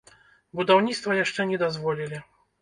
Будаўніцтва яшчэ не дазволілі.